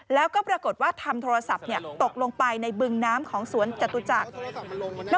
แล้วก็ปรากฏว่าทำโทรศัพท์ตกลงไปในบึงน้ำของสวนจตุจักร